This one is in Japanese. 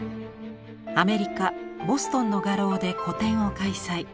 アメリカボストンの画廊で個展を開催。